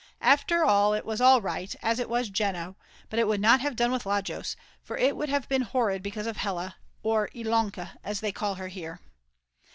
After all it was all right as it was Jeno, but it would not have done with Lajos, for it would have been horrid because of Hella, or Ilonka as they call her here.